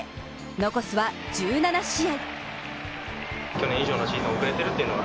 残すは１７試合。